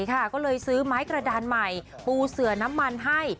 พี่ใหญ่ค่ะก็เลยซื้อไม้กระดานใหม่ปูเสือน้ำมันให้